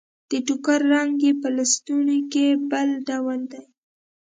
د ټوکر رنګ يې په لستوڼي کې بل ډول دی.